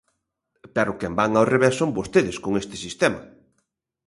Pero quen van ao revés son vostedes con este sistema.